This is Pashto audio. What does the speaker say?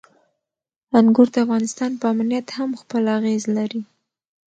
انګور د افغانستان په امنیت هم خپل اغېز لري.